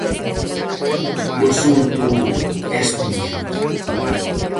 O asunto é espiñento.